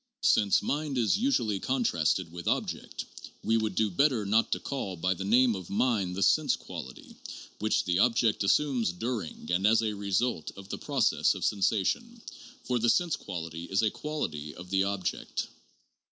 Since mind is usually contrasted with object, we would do better not to call by the name of mind the sense quality which the object assumes during and as a result of the process of sensation; for the sense quality is a quality of the object.